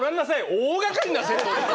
大がかりなセットで。